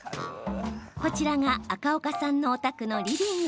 こちらが赤岡さんのお宅のリビング。